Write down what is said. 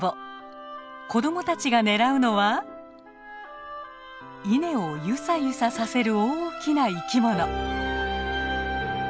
子供たちが狙うのは稲をゆさゆささせる大きな生き物。